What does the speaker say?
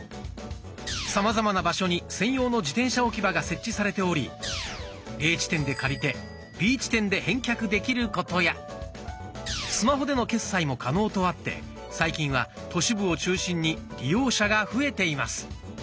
さまざまな場所に専用の自転車置き場が設置されておりＡ地点で借りてＢ地点で返却できることやスマホでの決済も可能とあって最近は都市部を中心に利用者が増えています。